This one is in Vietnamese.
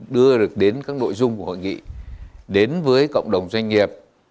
đưa được đến các nội dung của hội nghị đến với cộng đồng doanh nghiệp